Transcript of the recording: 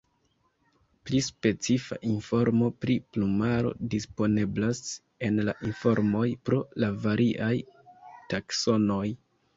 Pli specifa informo pri plumaro disponeblas en la informoj pro la variaj taksonoj.